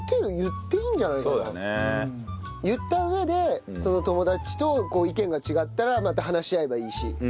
言った上でその友達と意見が違ったらまた話し合えばいいし。